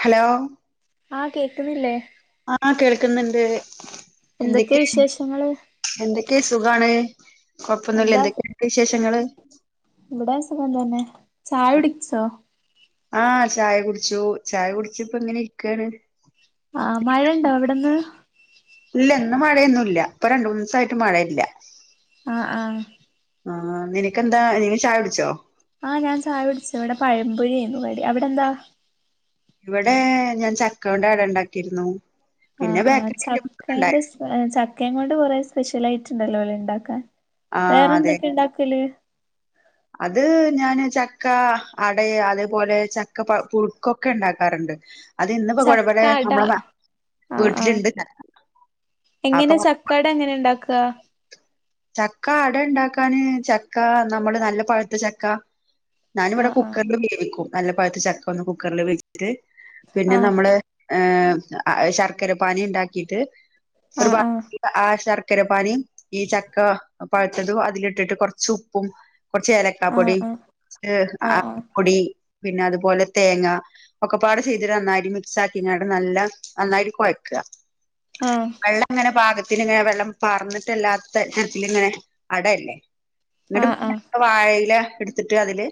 Hello ആഹ് കേക്കുന്നില്ലേ ആഹ് കേൾക്കുന്നുണ്ട് എന്തൊക്കെ എന്തൊക്കെയ് വിശേഷങ്ങള് എന്തൊക്കേ സുഖാണ് കൊഴപ്പൊന്നുല്ല എന്താ എന്തൊക്കെയാണ് ഇങ്ങളെ വിശേഷങ്ങള് ഇവിടെ സുഖം തന്നെ ചായ കുടിച്ചോ? ആഹ് ചായ കുടിച്ചു ചായ കുടിച്ച് ഇപ്പ ഇങ്ങനെ ഇരിക്കാണ് ആഹ് മഴണ്ടോ അവിടെന്ന് ഇല്ല ഇന്ന് മഴയൊന്നുല്ല ഇപ്പൊ രണ്ട് മൂന്നൂസായിട്ട് മഴയില്ല ആഹ് ആഹ് ആഹ് നിനക്കെന്താ നീ ചായ കുടിച്ചോ? ആഹ് ഞാൻ ചായ കുടിച്ചു ഇവിടെ പഴമ്പൊരി ആയിരുന്നു കടി അവിടെ എന്താ? ഇവടെ ഞാൻ ചക്കോണ്ട് അട ഉണ്ടാക്കിയിരുന്നു പിന്നെ ബേക്കറി ഐറ്റംസ് ഒക്കെ ഉണ്ടായി ഏഹ് ചക്കയും കൊണ്ട് കുറെ സ്പെഷ്യൽ ആയിട്ടുണ്ടല്ലോ ലേ ഇണ്ടാക്കാൻ ആ വേറെ അതെ എന്തൊക്കെ ഇണ്ടാക്കല് അത് ഞാന് ചക്ക അടയേ അതേപോലെ ചക്ക പുഴുക്കൊ ഒക്കെ ഇണ്ടാക്കാറുണ്ട് അത് ഇന്നിപ്പോ ചക്ക [unintelligible] അട നമ്മളെ ആഹ് ആഹ് വീട്ടിലിണ്ട് ചക്ക അപ്പൊ ക്കട എങ്ങനെ ഇണ്ടാക്കാ ചക്ക അട ഉണ്ടാക്കാന് ചക്ക നമ്മള് നല്ല പഴുത്ത ചക്ക ഞാനിവിടെ ആഹ് കുക്കറിൽ വേവിക്കും നല്ല പഴത്ത ചക്ക ഒന്ന് കുക്കറില് വേവിച്ചിട്ട് പിന്നെ ആഹ് നമ്മള് ഏഹ് ശർക്കര പാനി ഉണ്ടാക്കിട്ട് ഒരുപാ ആഹ് ആഹ് ശർക്കര പാനിയും ഈ ച ക്ക പഴുത്തതും അതിലിട്ടിട്ട് കൊറച്ച് ഉപ്പും കൊറച്ച് ഏല ക്കാപൊടി ആഹ് ആഹ് ആഹ് ആഹ് ആപൊടി പിന്നെ അതുപോലെ തേങ്ങ ഒക്കെപ്പാട് ചെയ്തിട്ട് നന്നായിട്ട് മിക്സ് ആക്കിട്ട് നല്ല നന്നായിട്ട് കൊഴയ്ക്കാ ആഹ് വെള്ളം ഇങ്ങനെ പാകത്തിന് ഇങ്ങനെ വെള്ളം പാർന്നിട്ടല്ലാത്ത തരത്തില് ഇങ്ങനെ അടയല്ലേ എന്നിട്ട് ആഹ് ആഹ് ആഹ് പിന്ന വാഴയില എടുത്തിട്ട് അതില്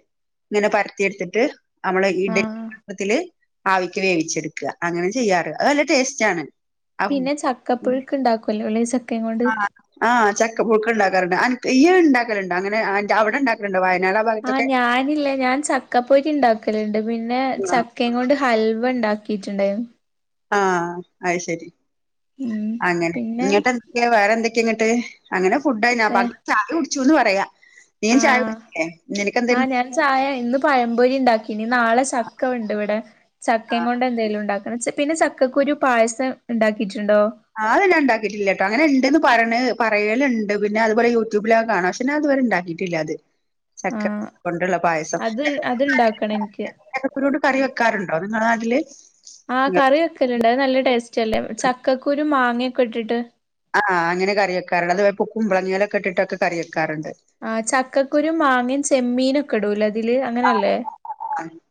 ഇങ്ങനെ പരത്തി എടുത്തിട്ട് നമ്മള് ഇഡലി ആഹ് [unintelligible] ത്തില് ആവിക്ക് വേവിച്ചെടുക്കാ അങ്ങനെ ചെയ്യാറ് അത് നല്ല ടേസ്റ്റാണ് പിന്നെ ചക്കപ്പുഴുക്ക് ഉണ്ടാക്കോലോല്ലെ ച ആഹ് ആഹ് ചക്ക പുഴുക്ക് ഉണ്ടാക്കാറുണ്ട് അനക്ക് ഇയ്യ് അത് ഇണ്ടാക്കലുണ്ടോ അങ്ങനെ അന്റെ അവിടെ ഇണ്ടാക്കലുണ്ടോ വയനാട് ആ ഭാഗത്ത് ആഹ് ഞാനില്ലേ ഞാൻ ചക്കപ്പൊരി ഇണ്ടാക്കലുണ്ട് പിന്നെ ച ആഹ് ക്കയും കൊണ്ട് ഹൽവ ഇണ്ടാക്കിട്ടുണ്ട് ആഹ് അഹ് ശരി ഉം അങ്ങനെ പിന്നെ ഇന്നട്ട് എന്തൊക്കെ വേറെ എന്തൊക്കെയാ ഇന്നട്ട് അങ്ങനെ ഫുഡായി വേ [unintelligible] ചായ കുടിച്ചുന്ന് പറയാ നീ ചായ ആഹ് കുടിച്ചില്ലേ നിനക്കെന്ത ആഹ് ഞാൻ ചായ ഇന്ന് പഴംപൊരി ഉണ്ടാക്കിനി നാളെ ചക്കവുണ്ട് ഇവിടെ ചക്കയും കൊണ്ട് എന്തേലും ഉണ്ടാക്കണം പിന്നെ ചക്കക്കുരു പായസം ഇണ്ടാക്കിട്ടുണ്ടോ ആഹ് അത് ഞാൻ ഇണ്ടാക്കിട്ടില്ലട്ടോ അങ്ങനെ ഉണ്ട്ന്ന് പറ പറയലുണ്ട് പിന്നെ അതുപോലെ യൂട്യൂബിലൊക്കെ കാണാം പക്ഷെ ഞാൻ ഇതുവരെ ഇണ്ടാ ക്കീട്ടില്ലത് ആഹ് അത് അത്ണ്ടാക്കണം ഇൻക്ക് ക്കുരു കൊണ്ട് കറി വെക്കാറുണ്ടോ നിങ്ങളെ നാട്ടില് ആഹ് കറി വെക്കെല് ഉണ്ട് അത് നല്ല ടേസ്റ്റ് അല്ലേ ചക്കക്കുരും മാങ്ങൊക്കെ ഇട്ടിട്ട് ആഹ് അങ്ങനെ കറി വെക്കാറണ്ട് അതു കുമ്പളങ്ങലെക്കെ ഇട്ട്ട്ടൊക്കെ കറി വക്കാറുണ്ട് ആ ചക്കക്കുരു മാങ്ങീം ചെമ്മീനും ഒക്കെ ഇടൂംലെ ഇതില് അങ്ങനെയല്ലേ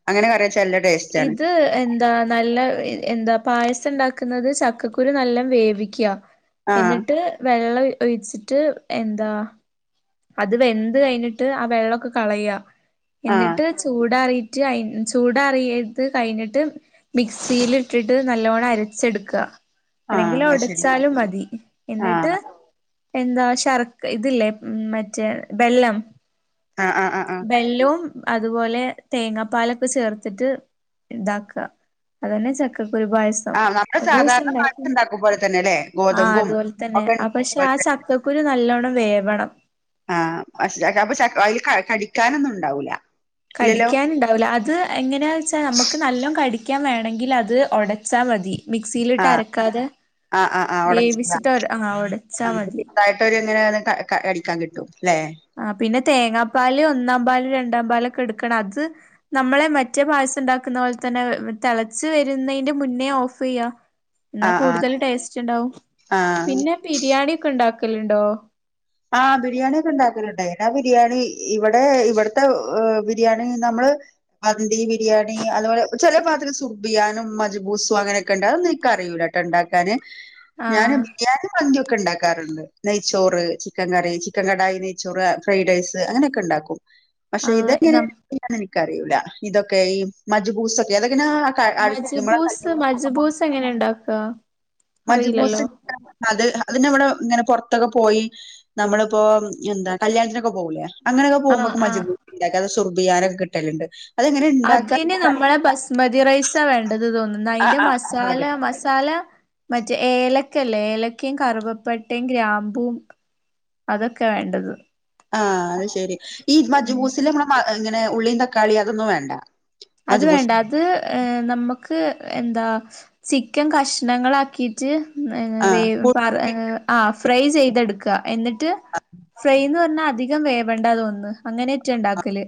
അങ്ങനെ കറിയച്ചെല്ല് ഇത് എ എന്താ നല്ല എന്താ പായസം ഉണ്ടാക്കുന്നത് ചക്കക്കുരു നല്ലോം വേവിക്കുക ആഹ് എന്നിട്ട് വെള്ളം ഒഴിച്ചിട്ട് എന്താ അത് വെന്ത് കഴിഞ്ഞിട്ട് ആ വെള്ളമൊക്കെ കളയ ആഹ് എന്നിട്ട് ചൂടറിയിട്ട് അയിന് ചൂടാറിയത് കഴിഞ്ഞിട്ട് മിക്സിൽ ഇട്ടിട്ട് നല്ലോണ്ണം അരച്ചെടുക്കുക ആഹ് അല്ലെങ്കിൽ അത് ശരി ഒടച്ചാലും മതി എന്നിട്ട് ആഹ് എന്താ ശർക്ക് ഇതില്ലേ മറ്റേ ബെല്ലം ആ ആ ആ ആ ബെല്ലവും അതുപോലെ തേങ്ങാപ്പാലൊക്കെ ചേർത്തിട്ട് ഇതാ ക്ക അതന്നെ ചക്കകുരു പായസം ആഹ് നമ്മള് സാധാരണ പായസം ഒരുസംണ്ടകിനി, ഉണ്ടാക്കും പോലെ തന്നെ അല്ലേ ആ ഗോതമ്പും അതുപോലെ തന്നെ ഒക്കെ ആ ഉണ്ടാക്കും പക്ഷെ പോലെ ആ തന്നെ ചക്കകുരു കുരു നല്ലോണ്ണം വേവണം ആഹ്പക്ഷേ ചക്ക അപ്പൊ അതിൽ കടിക്കാനൊന്നും ഉണ്ടാവൂല ഇല്ലല്ലോ കടിക്കാന് ഉണ്ടാവൂല അത് എങ്ങനാന്ന് വെച്ചാ നമുക്ക് നല്ലോണം കടിക്കാൻ വേണമെങ്കിൽ അത് ഒടച്ചാൽ മതി മിക്സിയിലിട്ട് ആഹ് അരക്കാതെ ആഹ് ആഹ് ആഹ് ഒടച്ചതാ വേവിച്ചിട്ട് ആ ഒടച്ചാ മതി ഇവര് എങ്ങനെ അടിക്കാൻ കിട്ടും ല്ലെ ആ പിന്നെ തേങ്ങാ പാല് ഒന്നാം പാല് രണ്ടാം പാലൊക്കെ എടുക്കണം അത് നമ്മളെ മറ്റേ പായസം ഉണ്ടാക്കുന്ന പോലെ തന്നെ തെളച്ച് വരുന്നതിന്റെ മുന്നേ ഓഫ് ചെയ്യാ എന്നാ ആഹ് ആഹ് കൂടുതൽ ടേസ്റ്റ് ഉണ്ടാവും ആഹ് പിന്നെ ബിരിയാണി ഒക്കെ ഉണ്ടാക്കലുണ്ടോ ആഹ് ബിരിയാണി ഒക്കെ ഇണ്ടാക്കലണ്ടെ ബിരിയാണി ഇവിടെ ഇവ്ടത്തെ ബിരിയാണി നമ്മള് മന്തി ബിരിയാണി അതുപോലെ ചെല ഭാഗത്ത്സുർബിയാനും മജ്ബൂസും അങ്ങനൊക്കെ ഉണ്ട് അതൊന്നും എനിക്കറിയുലട്ടൊ ഉണ്ടാക്കാന് ഞാന് ആഹ് ബിരിയാണി മന്തിയൊക്കെ ഉണ്ടാക്കാറുണ്ട് നെയ്ച്ചോറ് ചിക്കൻ കറി ചിക്കൻ കടായിനെയ്ച്ചോറ് ഫ്രൈഡ് റൈസ് അങ്ങനെയൊക്കെ ഉണ്ടാക്കും പക്ഷെ ആഹ് ഇതെങ്ങനെ നം എനിക്കറിയൂല്ല ഇതൊക്കെ ഈ മജ്ബൂസൊക്കെ അതെങ്ങനെ മജ്ബൂസ് മജ്ബൂസ് എങ്ങനെ ഉണ്ടാക്ക മജ്ബൂസ് ക്ക അത് അത് നമ്മടെ ഇങ്ങനെ പൊറത്തൊക്കെ പോയി നമ്മളിപ്പോ എന്താ കല്യാണത്തിനൊക്കെ പോകൂലേ അങ്ങനെയൊക്കെ ആഹ് പോക്പൊക്കെ ആഹ് മജ്ബൂസുക്കെണ്ടാക്ക സുർബിയാനൊക്കെ കിട്ടലുണ്ട് അങ്ങനെ അതിന് ഉണ്ടാക്കന്നറിയില്ല നമ്മളെ ബസ്മതി റൈസാണ് വേണ്ടത് തോന്നുന്നത് ആഹ് അതിൻന്റെ ആഹ് അതെ മസാല അതെ മസാല മറ്റേ ഏലക്കല്ലേ ഏലക്കയും കറുുവപ്പെട്ടയും ഗ്രാമ്പു അതൊക്കെ വേണ്ടത് ആഹ് അത് ശെരി ഈ ഉം മജ്ബൂസില് നമ്മെ മ ഇങ്ങനെ ഉള്ളിയും തക്കാളി അതൊന്നും വേണ്ട അത് മജ്ബൂസ് വേണ്ട അത് ഏ നമുക്ക് എന്താ ചിക്കൻ കഷ്ണങ്ങളാക്കി ട്ട് എഹ് ആഹ് വേവ് കു ഫ്രൈ ചെയ്തെടുക്ക റ്റ് ഫ്രൈയ്ന്ന് പറഞ്ഞാൽ അധികം വേ വേണ്ട അങ്ങനെയൊറ്റ ഉണ്ടാക്കല്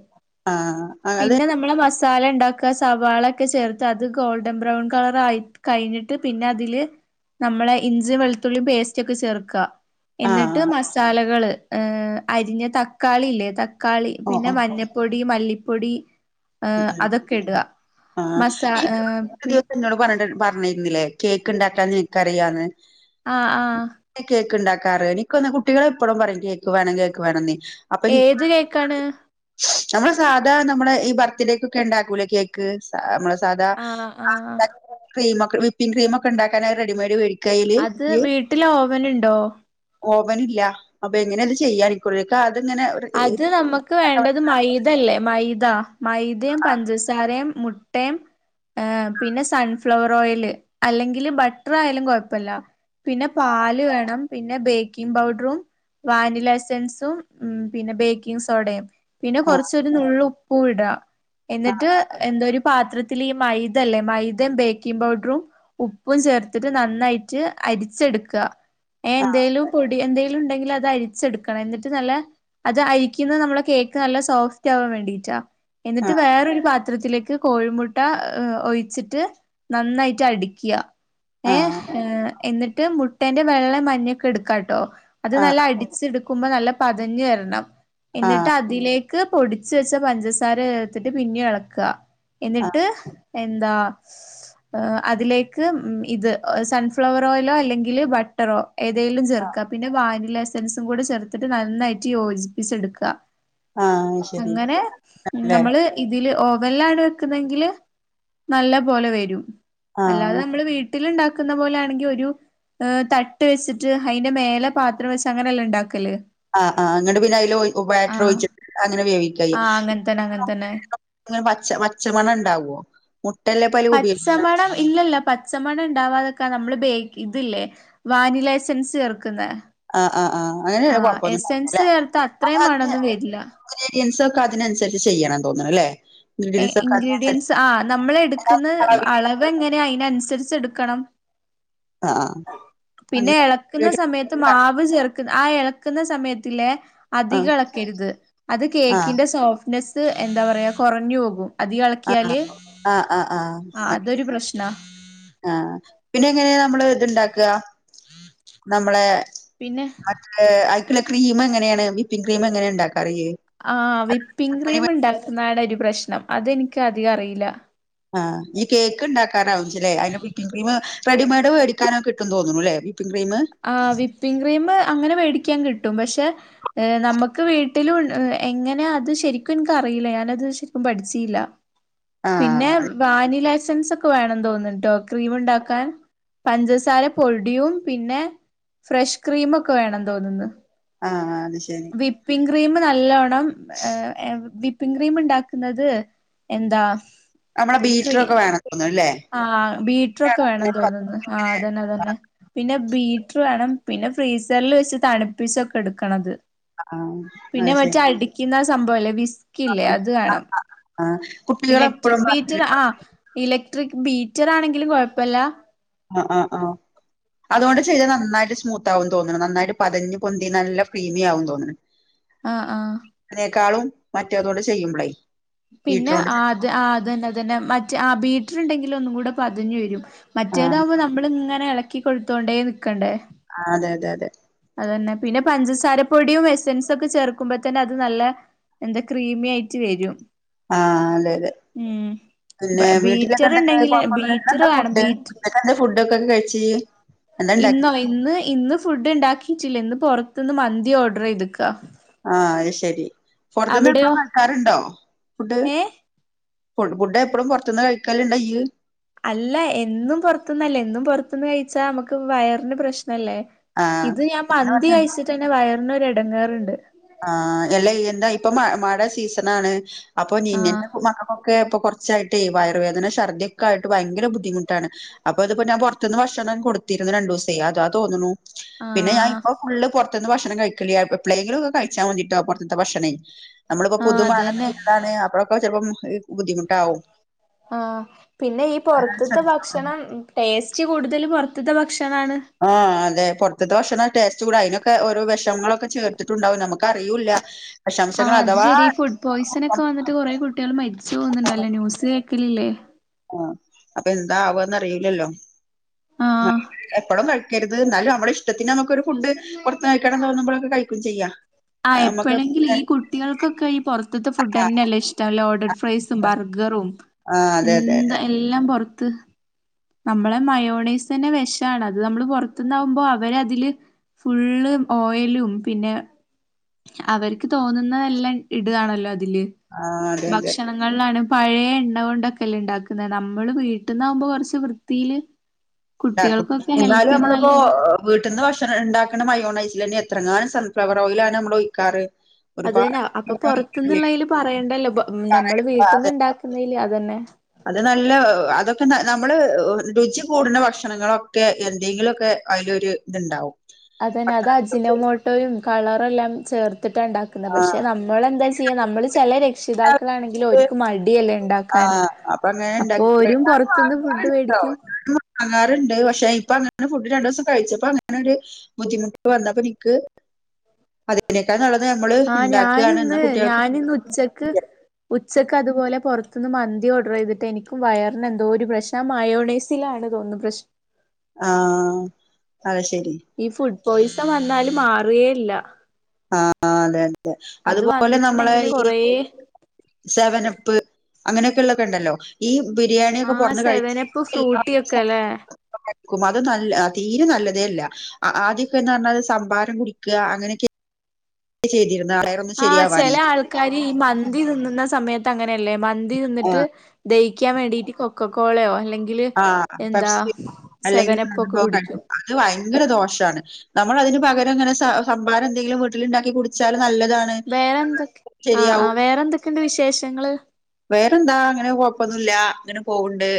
ആഹ് അത് പിന്നെ നമ്മളെ ഫസ്റ്റ് സാല ഉണ്ടാക്ക സവാള ഒക്കെ ചേർത്ത് അത് ഗോൾഡൻ ബ്രൗൺ കളർ ആയി കഴിഞ്ഞിട്ട് പിന്നെ അതില് നമ്മളെ ഇഞ്ചി വെളുത്തുള്ളി പേസ്റ്റ് ഒക്കെ ചേർക്കുക എന്നിട്ട് ആഹ് മസാലകള് അരിഞ്ഞ തക്കാളി ഇല്ലേ തക്കാളി ഓഹ് പിന്നെ ഓഹ് മഞ്ഞ പൊടി മല്ലിപ്പൊടി ഏഹ് [unintelligible] അതൊക്കെ ഇടുക ആഹ് മസാ ഈ ഏഹ് പി [unintelligible] ഇന്നോട് പറ്ണ്ട് പർഞ്ഞിര്ന്നില്ലേ കേക്ക് ഇണ്ടാക്കാന് നിനക്കറിയാന്ന് ആഹ് ആഹ് കേക്ക് ഇണ്ടാക്കാറിയോ എനിക്കൊന്ന് കുട്ടികള് എപ്പളും പറയും കേക്ക് വേണം കേക്ക് വേണന്നെ ഏത് കേക്കാണ് നമ്മള് സാധാ നമ്മള് ഈ ബർത്ത്ഡേക്കക്കെ ഉണ്ടാക്കൂലെ കേ ക്ക് നമ്മെളെ സാധാ ആഹ് ആഹ് ക്രീമ് ഒക്കെ വിപ്പിംഗ് ക്രീമ ഒക്കെ ഇണ്ടാക്കാന് റെഡിമെയഡ് വേടി അത് വീട്ടില് ഓവന് ഇണ്ടോ ഓവന് ഇല്ല അപ്പൊ എങ്ങനെ ഇത് ചെയ്യാണിക്ക ക്കാ അത്ങ്ങനെ അത് നമ്മക്ക് വേണ്ടത് മൈദ ല്ലേ മൈദ മദി പഞ്ചസ് സാരേം മുട്ടേ ഏ പിന്നെ സൺഫ്ലവർ ഓയല് അല്ലെങ്കില് ബട്ടറായാലും കോഴപ്പല്ല പിന്നെ പാല് വേണം പിന്നെ ബേക്കിംഗ് പൗഡറും വാനില എസൻസും ഉം പിന്നെ ബേക്കിംഗ് സോടേം പിന്നെ ആഹ് കൊർച്ചൊരു നുള്ള് ഉപ്പു ഇടാ എന്നിട്ട് എന്തോ ഒരു പാത്രത്തില് ഈ മൈദ ല്ലേ മൈദം ബേക്കിംഗ് പൗഡറും ഉപ്പും ചേർത്ത്ട്ട് നന്നായിട്ട് അരിച്ചെട്ക്ക ഏ ആഹ് എന്തേലും പൊടി എന്തേങ്കിലും ഇണ്ടെങ്കില് അത് അരിച്ചെട്ക്കണം എന്നിട്ട് നല്ല അത് അരിക്കുന്നത് നമ്മുടെ കേക്ക് നല്ല സോഫ്റ്റ് ആവാൻ വേണ്ടിട്ടാ എന്നിട്ട് വേറൊരു പാത്രത്തിലേക്ക് കോഴിമുട്ട ഒഴിച്ചിട്ട് നന്നായിട്ട് അടിക്ക്യാ ആഹ് ഏഹ് എന്ന്ട്ട് മുട്ടേന്റെ വെള്ളേം മഞ്ഞക്കെ ഇട്ക്കാട്ടോ അത് ആഹ് ആഹ് നല്ല അടിച്ചെടുക്കുമ്പ നല്ല പ തഞ് വര്ണം ആഹ് എന്നിട്ട് ആഹ് അതിലേ ക്ക് പൊടിച്ച് വെച്ച പഞ്ചസാര ചേർത്തിട്ട് പിന്നി എളക്ക ആഹ് എന്നിട്ട് എന്താ അതിലേക്ക് ഇത് സൺഫ്ലവർ ഓയലോ അല്ലെങ്കില് ബ ട്ടറോ ഏതെലും ആഹ് ചെർക്ക പിന്ന വാനില എസൻസും കൂടെ ചേർത്ത്ട്ട് നന്നായി റ്റി യോജിപ്പിച്ചെടുക്ക ആഹ് ശരി അങ്ങനെ അല്ലെ നമ്മള് ഇതില് ഓവൽലാണ് വെക്കുന്നെങ്കില് നല്ല പോലെ വരും അല്ലാതെ ആഹ് നമ്മള് വീ ട്ടില് ഇണ്ടാക്കുന്ന പോലെ ആണെങ്കി ഒരു തട്ട് വെച്ചിട്ട് അയിന്റെ മേലെ പാത്രം വെച്ച് അങ്ങനല്ലേ ഇണ്ടാക്കല് ആ ആ ന്നട്ട് പിന്നെ അയില് ബാറ്ററ് ആഹ് ഒഴിച്ചിട്ട് അങ്ങനെ വേവിക്കയ്യ ആഹ് അങ്ങൻ തന്നെ അങ്ങൻ തന്നെ ഇങ്ങനെ പച്ച പച്ചമണ ഇണ്ടാവോ മുട്ടല്ലെ പ പച്ചമണം ഇല്ലല്ല പച്ചമണ ഇണ്ടാവാതക്കാൻ നമ്മള് ബേക്കി ഇത് ല്ലേ വാനിലാ എസൻസ് ചേർക്കുന്നെ ആഹ് ആഹ് ആഹ് ആ അങ്ങനെയാണെ കൊഴപ്പൊന്നും എസൻസ് ഉണ്ടാവില്ലല്ലേ ചേർത്ത അത്രേം മണൊന്നും വര്ല്ല ഇൻക്രിയൻസ് ഒക്ക അതിനൻസര്ച്ച് ചെയ്യണം തോന്ന്ണ് ല്ലേ ഇൻഗ്രീഡിയൻസ് ആ നമ്മള് എട്ക്ക്ന്ന അളവില് അള വ് എങ്ങനെ അയിനൻസര്ച്ച് എടുക്കണം ആഹ് ആഹ് പിന്നെ അങ്ങനെ എള ക്ക്ന്ന സമയത്ത് മാവ് ചെർക്ക് ആ എളക്ക്ന്ന സമയത്തിലെ ആഹ് അധിക ആഹ് എളക്കര്ത് അത് ആഹ് കേക്കിന്റെ സോഫ്റ്റ്നെസ് എന്താ പറയാ കോറഞ്ഞു പോകും അധിക ആഹ് എളക്കിയാല് ആഹ് ആഹ് അത് ആ ശരി അതൊരു പ്രശ്നാ ആഹ് പിന്നെ എങ്ങനെ നമ്മള് ഇത്ണ്ടാക്ക നമ്മളെ പിന്നെ മറ്റെ അയിക്ക്ള്ള ക്രീമ് എങ്ങനെണ് വിപ്പിംഗ് ക്രീമ് എങ്ങനെ ഇണ്ടാക്കാറ് ഇയ്യ് ആഹ് വിപ്പിംഗ് ക്രീമ് ഇണ്ടാക്ക്ന്നാണൊരു പ്രശ്നം അത് ഇനിക്ക് അധികം അറിയില്ല ആഹ് ഇയ്യ് കേക്ക് ഇണ്ടാക്കാനാ [unintelligible] അയിന് വിപ്പിംഗ് ക്രീം റെഡിമെയ്ഡ് വേടിക്കാനാ കിട്ടും തോന്നുണുല്ലേ വിപ്പിംഗ് ക്രീമ് ആഹ് വിപ്പിംഗ് ക്രീമ് അങ്ങനെ വേടിക്ക്യാൻ കിട്ടും പക്ഷേ ഏഹ് നമ്മക്ക് വീട്ടിലും ഇ ഏഹ് എങ്ങനെ അത് ശരിക്കും ഇന്ക്കറീല്ല ഞാനത് ശരിക്കും പഠിച്ചീല്ല ആഹ് പിന്നെ അത് വാനിലാ എസൻസൊക്കെ വേണം തോന്ന്ണുട്ടോ ക്രീമ് ഇണ്ടാക്കാൻ പഞ്ചസാര പൊടിയും പിന്നെ ഫ്രഷ് ക്രീമൊക്കെ വേണം തോന്നുന്ന് ആഹ് അത് ശരി വിപ്പിംഗ് ക്രീമ് നല്ലോണം ഏഹ് ഏഹ് വി പ്പിംഗ് ക്രീമ് ഇണ്ടാക്ക്ന്നത് എന്താ അമ്മളെ ബീറ്ററൊക്കെ വേണം തോന്ന്ണ്ല്ലേ ആഹ് ബീറ്ററൊക്കെ വേണം തോന്നുന്ന് ആഹ് അതന്നെ അതന്നെ പിന്നെ ബീറ്റർ വാണം പിന്നെ ഫ്രീസറ്ല് വെച്ച് തണുപ്പിച്ചൊക്കെ എടുക്കണത് ആഹ് അത് പിന്നെ ശരി മറ്റേ അടിക്കിന്നെ സംഭവല്ലേ വിസ് ക്കില്ലേ അത് വേണം ആഹ് കുട്ടികളെപ്പഴും ഇലക്ട്രിക് പറഞ്ഞ് ബീറ്ററ് ആഹ് ഇലക്ട്രിക്ക് ബീറ്ററാണെങ്കിലും കൊഴപ്പല്ലാ ആഹ് ആഹ് ആഹ് അതുകൊണ്ട് ചെയ്താ നന്നായിട്ട് സ്മൂത്താവും തോന്ന്ണ് നാന്നായിട്ട് പതഞ്ഞ് പൊന്തി നല്ല ഫ്ലീമിയാവും തോന്ന്ണ് ആഹ് ആഹ് യിനേക്കാളും മറ്റേതോണ്ട് ചെയ്യുമ്പളേ പിന്നെ ബീറ്ററോണ്ട് ചെയ് ആഹ് അത് ആഹ് അതന്നെ അതന്നെ മറ്റേ ആഹ് ബീറ്റ്റ് ഇണ്ടെങ്കില് ഒന്നും കൂടെ പതഞ്ഞു വെരും ആഹ് മറ്റേതാവുമ്പം നമ്മള് ഇങ്ങനെ എളക്കി കൊടുത്തോണ്ടേ നിക്കണ്ടേ ആഹ് അതെ അതെ അതെ അതന്നെ പിന്നെ പഞ്ചസാരപൊടിയും എസൻസൊക്കെ ചേർക്കുമ്പം തന്നെ അത് നല്ലെ എന്താ ക്രീമിയായിറ്റ് വെരും ആഹ് അതെ അതെ പിന്നെ വീട്ടിലൊക്കെ എന്തൊക്കായാൽ ബീറ്ററുണ്ടെങ്കില് കൊഴപ്പൊന്നില്ലല്ലോ ഇന്ന് ബീറ്റർ എന്താ വേണം ഫുഡ് [unintelligible] ബീറ്റർ ഇന്നെന്താ ഫുഡൊക്കെ കഴിച്ചീയ് ഇന്നോ ഇന്ന് ഇന്ന് ഫുഡ് ഇണ്ടാക്കിറ്റില്ല ഇന്ന് പൊറത്ത്ന്ന് മന്തി ഓർഡറെയ്ത്ക്കാ ആഹ് അയ്ശരി പെറത്ത്ന്ന് എപ്പളും വാങ്ങിക്കാറുണ്ടോ ഫുഡ് ഏഹ് ഫുഡ് ഫുഡ് എപ്പളും പൊറത്ത്ന്ന് കഴിക്കല്ണ്ടോ ഇയ്യ് അല്ല എന്നും പൊറത്ത്ന്നല്ല എന്നും പൊറത്ത്ന്ന് കഴിച്ചാ അമ്മക്ക് വയറിന് പ്രശ്നല്ലേ ആഹ് ഇത് ഞാൻ എന്നാ മന്തി പറഞ്ഞെ കഴിച്ചിട്ടെന്നെ വയറിനൊരു എടങ്ങേറ്ണ്ട് ആഹ് എല്ലാ ഇയ്യെന്താ ഇപ്പം മ മഴ സീസനാണ് അപ്പൊ നീ ആഹ് [unintelligible] മക്കള്ക്കൊ ക്കെ ഇപ്പൊ കൊറച്ചായിട്ടേ വയറുവേദന ശർദ്ദിയൊക്കായിട്ട് ഭയങ്കര ബുദ്ധിമുട്ടാണ് അപ്പൊ ഇത് പിന്നെ ഞാൻ പൊറത്ത്ന്ന് ഭക്ഷണം കൊടുത്തിരുന്നു രണ്ടുസേ അതാ തോന്നുണു പിന്നെ ആഹ് ഞായിപ്പോ ഫുള്ള് പൊറത്തുന്ന് ഭക്ഷണം കഴിക്കേല്ലാ എപ്പളേങ്കിലൊക്കെ കഴി ച്ചാ മതിട്ടോ പൊറ്ത്ത്ത്തെ ഭക്ഷണേ ഞമ്മള്പ്പോ ആഹ് പുതുമഴ അതന്നെ പെയ്ത താണ് അപ്പളൊക്കെ ചെലപ്പം ഏഹ് ബുദ്ധിമുട്ടാവും ആഹ് പിന്നെ ഈ അതാണ് പൊറത്ത്ത്തെ ശ്രദ്ധിച്ചോളണം. ഭക്ഷണം ഉം ടേസ്റ്റ് കൂടുതലും പൊറത്ത്ത്തെ ഭക്ഷണാണ് ആഹ് അതെ പൊറത്ത്ത്തെ ഭക്ഷണാ ടേസ്റ്റ് കൂടാ അയിനൊക്കെ ഓരോ വെഷങ്ങളൊക്കെ ചേർത്തിട്ടുണ്ടാവും നമുക്ക് അറിയൂല്ല വെഷാംശങ്ങള് അഥവാ പോയിസനൊക്കെ വന്നിട്ട് കൊറെ കുട്ട്യള് മരിച്ചു പോവുന്ന്ണ്ടല്ലോ ന്യൂസ് കേക്കലില്ലേ ആഹ് അപ്പം എന്താ ആവാന്നറീല്ലല്ലോ ആഹ് എപ്പളും വേട് ക്കരുത് എന്നാലും അമ്മളെ ഇഷ്ടത്തിന് ഞമക്കൊരു ഫുഡ് പൊറത്ത്ന്ന് കഴിക്കണന്ന് തോന്ന്മ്പോഴൊക്കെ കഴിക്കും ചെയ്യാ ആഹ് അത് നമ്മക്ക് എപ്പഴെങ്കിലും ഈ കു ട്ടികൾക്കൊക്കെ ഈ പൊറത്ത്ത്തെ ഫുഡന്നല്ലേ ഇഷ്ടം ലോഡഡ് ഫ്രൈസും ബർഗറും ആഹ് അതെ അതെ എന്ത അതെ എല്ലാം പൊറത്ത്. നമ്മളെ മയോണൈസന്നെ വെശാണ് അത് നമ്മള് പുറത്തുന്നാവുമ്പൊ അവരതില്. ഫുള്ള് ഓയലും പിന്നെ. അവര്ക്ക് തോന്നുന്നതെല്ലാം ഇടാണല്ലോ അതില്. ആഹ് അതെ അതെ. ങ്ങളിലാണ് പഴേ എണ്ണ കൊണ്ടൊക്കല്ലെ ഇണ്ടാക്കുന്നത് നമ്മള് വീട്ടിന്നാകുമ്പൊ കൊറച്ച് വൃത്തിയില്. ഇണ്ടാക്കും കുട്ടികൾക്കൊക്കെ എന്നാലു ഹെൽത്തിന് നമ്മളിപ്പോ. നല്ലത് വീട്ട്ന്ന് ഭക്ഷണം ഇണ്ടാക്കണ മയോണെസിലന്നെ എത്രങ്ങാനും സൺഫ്ലവർ ഓയിലാണ് നമ്മള് ഒയിക്കാറ്. അത് തന്നെ അപ്പൊ പുറത്തുന്നുള്ളയില് പറയേണ്ടല്ലോ ബ നമ്മള് പറ- വീട്ടന്ന് ഇണ്ടാക്കുന്നതില് അതന്നെ. അത് നല്ല അതൊക്കെ ന നമ്മള് രുചികൂടുന്ന ഭക്ഷണങ്ങളൊക്കെ എന്തെങ്കിലൊക്കെ അയിലൊര്. ഇതുണ്ടാവും. അതന്നെ അത് പട്ടാളത്തിലൊക്കെ അജിനോമോട്ടോയും കളറെല്ലാം ചേർത്തിട്ടാ ഇണ്ടാക്കുന്ന ആഹ് പക്ഷെ നമ്മളെന്തയ്‌ച് ത്തി നമ്മള് ചെല രക്ഷിതാക്കളാണെങ്കിലോര്ക്ക് മടിയല്ലേ ഇണ്ടാ ആഹ് അപ്പ അങ്ങനെ ഇണ്ടാക്കിക്ക്ണത്. പൊറത്തുന്ന് ഫുഡ് വേടിക്കും വാങ്ങാറുണ്ട് പക്ഷെ ഇപ്പ അങ്ങനെ ഫുഡ് രണ്ടു ദിവസം കഴിച്ചപ്പൊ അങ്ങനെ ഒരു ബുദ്ധിമുട്ട് വന്നപ്പൊ എനിക്ക്. ഇതിനേക്കാൾ നല്ലത് നമ്മള് ആഹ് ഉണ്ടാക്കുകയാണ് എന്നാ ഞാനിന്ന് കുട്ടികൾക്ക് ഞാനിന്ന് ഉച്ചക്ക്. ഉച്ചക്ക് അതുപോലെ പുറത്തുന്ന് മന്തി ഓർഡർ ചെയ്തിട്ട് എനിക്കും വയറിനെന്തോ ഒര് പ്രശ്നം ആ മയോണേസ്. ത്തിലാണ് തോന്നുന്നത് പ്രശ്നം. ആഹ് അത് ശരി. ഈ ഫുഡ് പോയ്സൺ വന്നാല് മാറുകേ ഇല്ല. ആഹ് അതെ അതെ അത് അതുപോലെ നമ്മളെ വന്നിട്ടുണ്ടെങ്കില് ഈ. കൊറേ സെവനപ്പ് അങ്ങനെയൊക്കെ ഉള്ളൊക്കെണ്ടല്ലോ. ഈ ബിരിയാണിയൊക്കെ ആഹ് കൊടന്ന് കഴിച്ച്. [inaudible] സെവനപ്പ് ഫ്രൂട്ടിയൊക്കെ അല്ലേ [unintelligible] അത് നല്ല ആ തീരെ നല്ലതേ അല്ല അ ആദ്യൊക്കെന്ന് പറഞ്ഞാത് സംഭാരം കുടിക്കുക അങ്ങനെയൊക്കെ. ചെയ്തിരുന്നു ആ [unintelligible] ആഹ് ചെല ആൾക്കാര് ഈ മന്തി നിന്നുന്ന സമയത്ത് അങ്ങനെയല്ലേ മന്തി തിന്നിട്ട്. ആഹ് ദഹിക്കാൻ വേണ്ടീട്ട് കൊക്കക്കോളയോ അല്ലെങ്കി. ആഹ് പെപ്സി അല്ലെങ്കിൽ സെവനപ്പൊക്കെ കുടിക്കും [unintelligible] അത് ഭയങ്കര ദോഷമാണ്. നമ്മള് അതിന് പകരങ്ങനെ സ സംഭമ്പാരം എന്തെങ്കിലും വീട്ടില്ണ്ടാക്കി കുടിച്ചാലും നല്ലതാണ്. വേറെന്തൊക്ക ആഹ് ശരിയാവും ആഹ് വേറെന്തൊക്കെയണ്ട് വിശേഷങ്ങള്. വേറെന്താ അങ്ങനെ കൊഴപ്പൊന്നുല്ല അങ്ങനെ പോവ്ണ്ട്.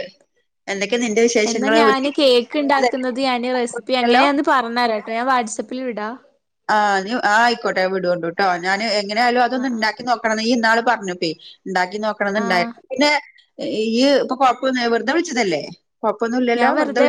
എന്തൊക്കെ നിന്റെ വിശേ എന്നാ ഞാന് കേക്ക്ണ്ടാക്കുന്നത് ഞാന് റെസിപ്പി ല്ലോ അങ്ങനെയാന്ന് പറഞ്ഞരാട്ടോ ഞാൻ വാട്സആപ്പിൽ വിടാ. ആഹ് ഞ്ഞ് ആഹ് ആയിക്കോട്ടെ വിടോണ്ടുട്ടോ ഞാന് എങ്ങനെയാലും അതൊന്ന് ആഹ് ആഹ് ഇണ്ടാക്കി നോക് ക്കണം നീ ഇന്നാള് പറഞ്ഞപ്പയ് ഉണ്ടാക്കി നോക്കണന്ന്ണ്ടായി ആഹ് പിന്നെ ഈയ്യ് ഇപ്പൊ കൊഴപ്പൊന്നുല്ല വെറുതെ വിളിച്ചതല്ലേ കൊഴപ്പൊന്നുല്ലല്ലോ ഞാൻ വെുതെ വിൾ വെറുതെ